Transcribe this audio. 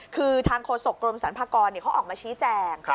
คือทางโฆษกรมสรรพากรเขาออกมาชี้แจง